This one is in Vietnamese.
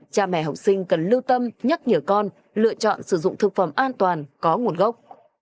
cha mẹ học sinh cần lưu tâm nhắc nhở con lựa chọn sử dụng thực phẩm an toàn có nguồn gốc